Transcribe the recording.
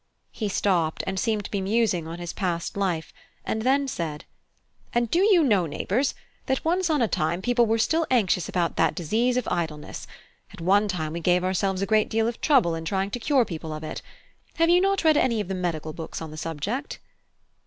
He stopped, and seemed to be musing on his past life, and then said: "And do you know, neighbours, that once on a time people were still anxious about that disease of Idleness: at one time we gave ourselves a great deal of trouble in trying to cure people of it. Have you not read any of the medical books on the subject?"